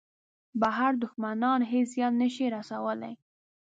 بهر دوښمنان هېڅ زیان نه شي رسولای.